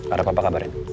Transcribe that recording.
gak ada apa apa kabarin